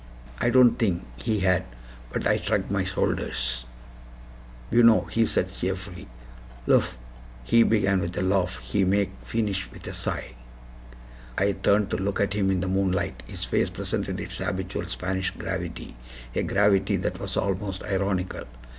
I don't think he had; but I shrugged my shoulders. "BUENO!" he said cheerfully. "Lofe, he begin with a laugh, he make feenish with a sigh." I turned to look at him in the moonlight. His face presented its habitual Spanish gravity a gravity that was almost ironical.